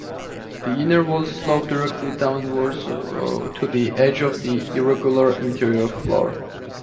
The inner walls slope directly downwards to the edge of the irregular interior floor.